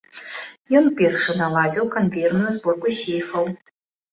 Ён першы наладзіў канвеерную зборку сейфаў.